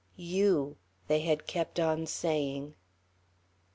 "You," they had kept on saying.